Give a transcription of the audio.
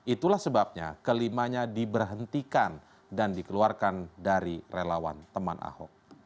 itulah sebabnya kelimanya diberhentikan dan dikeluarkan dari relawan teman ahok